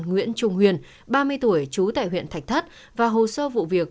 nguyễn trung huyền ba mươi tuổi trú tại huyện thạch thất và hồ sơ vụ việc